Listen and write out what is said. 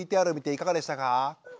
ＶＴＲを見ていかがでしたか？